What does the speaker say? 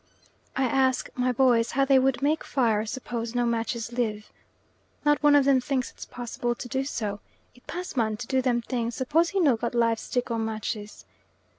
I ask my boys how they would "make fire suppose no matches live." Not one of them thinks it possible to do so, "it pass man to do them thing suppose he no got live stick or matches."